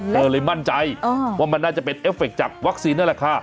เลยมั่นใจว่ามันน่าจะเป็นเอฟเฟคจากวัคซีนนั่นแหละค่ะ